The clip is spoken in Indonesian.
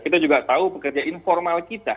kita juga tahu pekerja informal kita